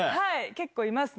結構いますね。